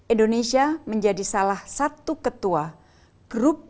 indonesia menjadi salah satu ketua group of friends